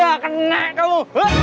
dia kena kamu